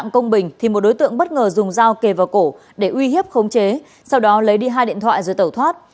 công bình thì một đối tượng bất ngờ dùng dao kề vào cổ để uy hiếp khống chế sau đó lấy đi hai điện thoại rồi tẩu thoát